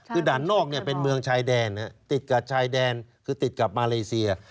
คือด่านนอกเป็นเมืองชายแดนติดกับชายแดนคือติดกับมาเลเซีย